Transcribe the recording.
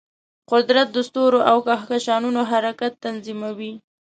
قدرت د ستورو او کهکشانونو حرکت تنظیموي.